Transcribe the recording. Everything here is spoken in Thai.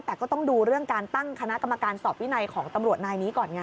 แต่ก็ต้องดูเรื่องการตั้งคณะกรรมการสอบวินัยของตำรวจนายนี้ก่อนไง